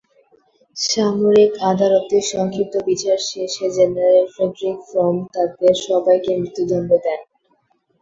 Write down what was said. সামরিক আদালতে সংক্ষিপ্ত বিচার শেষে জেনারেল ফ্রেডরিক ফ্রম তাদের সবাইকে মৃত্যুদন্ড দেন।